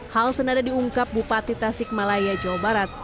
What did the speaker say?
hal senada diungkap bupati tasik malaya jawa barat